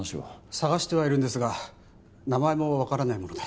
・捜してはいるんですが名前もわからないもので。